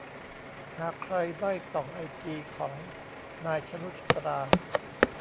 หากใครได้ส่องไอจีของ นาย ชนุชตรา